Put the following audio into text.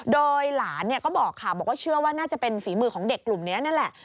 โดยหลานก็บอกค่ะบอกว่าเชื่อว่าน่าจะเป็นฝีมือของเด็กกลุ่มนี้นั่นแหละ